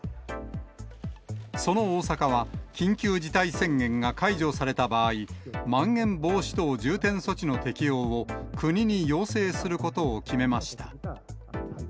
その大阪は、緊急事態宣言が解除された場合、まん延防止等重点措置の適用を国に要請することを決めました。